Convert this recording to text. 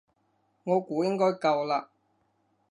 我估應該夠啦